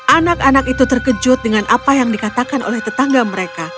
anak anak itu terkejut dengan apa yang dikatakan oleh tetangga mereka